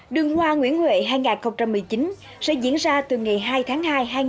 đường hoa nguyễn huệ hai nghìn một mươi chín sẽ diễn ra từ ngày hai tháng hai hai nghìn hai mươi